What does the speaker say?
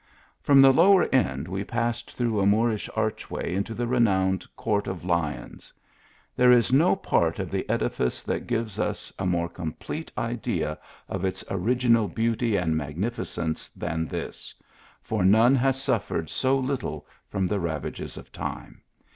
From the lower end, we passed through a Moor ish arch way into .the renowned Court of Lions. There is no part of the edifice that gives us a more complete idea of its original beauty and magnifi cence than this; for none has suffered so little from the ravages of time.